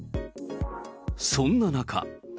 そんな中。